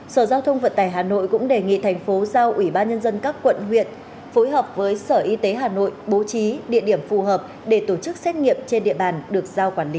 sở giao thông vận tải hà nội cũng đề nghị thành phố giao ủy ban nhân dân các quận huyện phối hợp với sở y tế hà nội bố trí địa điểm phù hợp để tổ chức xét nghiệm trên địa bàn được giao quản lý